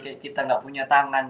kayak kita nggak punya tangan